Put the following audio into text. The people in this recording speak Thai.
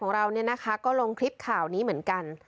ทางเพจไทยรัฐของเราก็ลงคลิปข่าวนี้เหมือนกัน